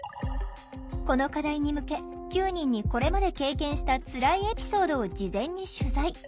この課題に向け９人にこれまで経験したつらいエピソードを事前に取材。